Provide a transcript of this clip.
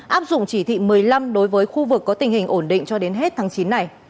áp dụng chỉ thị một mươi năm đối với khu vực có tình hình ổn định cho đến hết tháng chín này